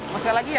masuk lagi ya